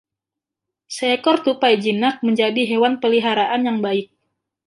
Seekor tupai jinak menjadi hewan peliharaan yang baik.